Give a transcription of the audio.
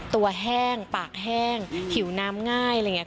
แห้งปากแห้งผิวน้ำง่ายอะไรอย่างนี้